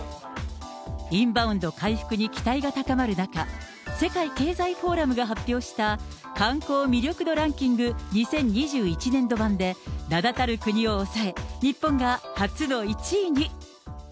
インバウンド回復に期待が高まる中、世界経済フォーラムが発表した観光魅力度ランキング２０２１年度版で、名だたる国を抑え、日本が初の１位に。